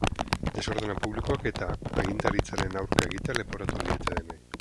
Desordena publikoak eta agintaritzaren aurka egitea leporatu diete denei.